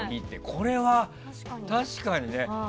これは確かにね。